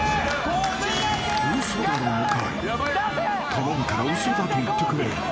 ［頼むから嘘だと言ってくれ］